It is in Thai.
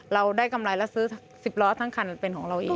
เราได้กำไรแล้วซื้อ๑๐ล้อทั้งคันเป็นของเราอีก